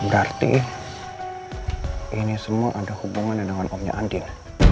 berarti ini semua ada hubungan dengan omnya andin